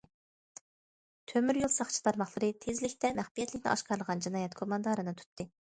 تۆمۈريول ساقچى تارماقلىرى تېزلىكتە مەخپىيەتلىكنى ئاشكارىلىغان جىنايەت گۇماندارىنى تۇتتى.